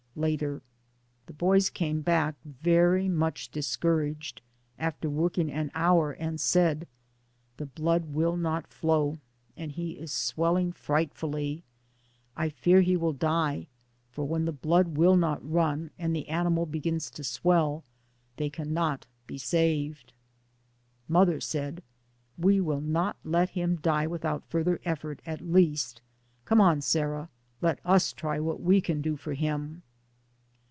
Later. — The boys came back very much discouraged after working an hour, and said: "The blood will not flow, and he is swelling frightfully. I fear he will die, for when the blood will not run and the animal begins to swell, they cannot be saved.'* Mother said: "We will not let him die without further effort, at least. Come on, Sarah, let us try what we can do for him."